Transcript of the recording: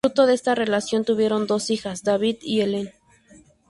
Fruto de esa relación tuvieron dos hijos: David y Helen.